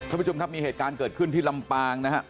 สำหรับประจำครับมีเหตุการณ์เกิดขึ้นที่ลำปางนะครับ